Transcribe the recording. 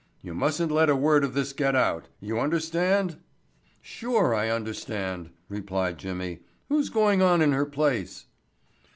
You mustn't let a word of this get out. You understand?" "Sure I understand," replied Jimmy. "Who's going on in her place?"